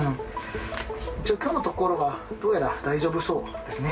きょうのところはどうやら大丈夫そうですね。